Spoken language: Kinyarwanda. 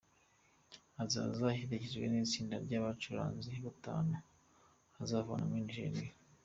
Azaza aherekejwe n’itsinda ry’abacuranzi batanu azavana muri Nigeria.